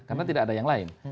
karena tidak ada yang lain